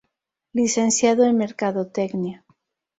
Licenciado en Mercadotecnia.